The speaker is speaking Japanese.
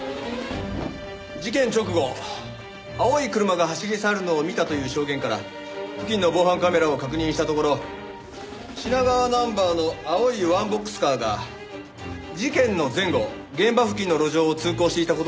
事件直後青い車が走り去るのを見たという証言から付近の防犯カメラを確認したところ品川ナンバーの青いワンボックスカーが事件の前後現場付近の路上を通行していた事がわかりました。